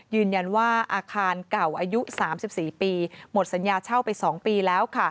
ยืนยันว่าอาคารเก่าอายุ๓๔ปีหมดสัญญาเช่าไป๒ปีแล้ว